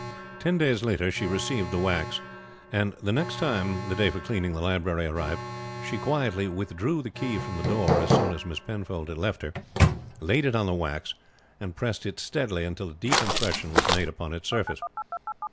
Ten days later she received the wax, and the next time the day for cleaning the library arrived she quietly withdrew the key from the door as soon as Miss Penfold had left her, laid it on the wax, and pressed it steadily until a deep impression was made upon its surface.